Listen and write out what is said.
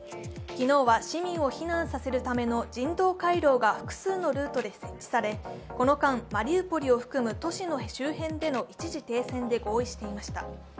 昨日は市民を避難させるための人道回廊が複数のルートで設置され、この間、マリウポリを含む都市の周辺での一時停戦で合意していました。